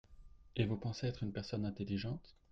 Et vous pensez être une personne intelligente ?